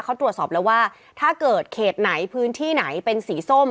เขาตรวจสอบแล้วว่าถ้าเกิดเขตไหนพื้นที่ไหนเป็นสีส้ม